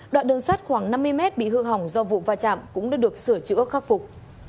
đoạn đường sắt khoảng năm mươi mét bị hư hỏng do vụ va chạm cũng đã được sửa chữa khắc phục